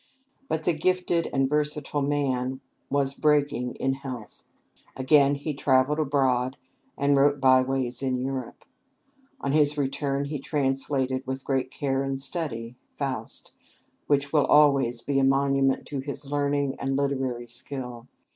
But the gifted and versatile man was breaking in health. Again he travelled abroad, and wrote "Byways in Europe." On his return he translated, with great care and study, "Faust," which will always be a monument to his learning and literary skill.